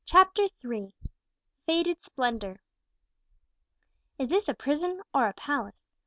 CHAPTER III. FADED SPLENDOUR. "Is this a prison or a palace?"